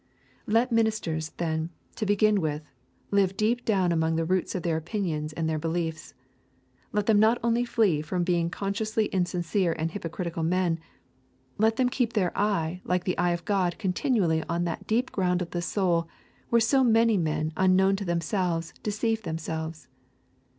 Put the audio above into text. Let ministers, then, to begin with, live deep down among the roots of their opinions and their beliefs. Let them not only flee from being consciously insincere and hypocritical men; let them keep their eye like the eye of God continually on that deep ground of the soul where so many men unknown to themselves deceive themselves.